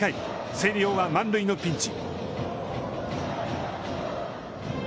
星稜は満塁のピンチ。